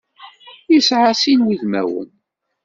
Yesɛa sin n wudmawen.